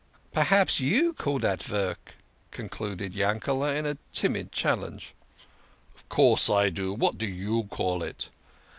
" P'raps you call that vork? " concluded Yankete, in timid challenge. " Of course I do. What do you call it?